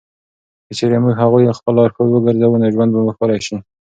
که چېرې موږ هغوی خپل لارښود وګرځوو، نو ژوند به مو ښکلی شي.